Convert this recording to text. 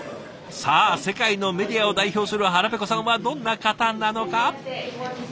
さあ世界のメディアを代表する腹ペコさんはどんな方なのか？